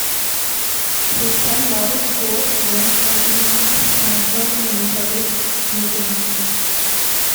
His son, Morris Schorr, went on to become a cantor in Elizabeth, New Jersey.